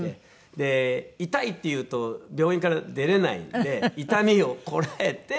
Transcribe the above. で痛いって言うと病院から出れないんで痛みをこらえて。